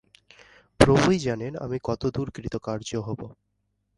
প্রভুই জানেন, আমি কত দূর কৃতকার্য হব।